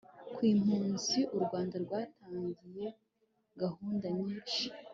kw'impunzi u rwanda rwatangiye gahunda nyinshi